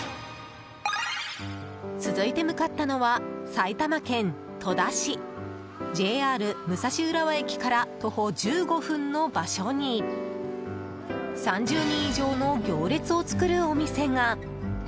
続いて向かったのは埼玉県戸田市ＪＲ武蔵浦和駅から徒歩１５分の場所に３０人以上の行列を作るお店が。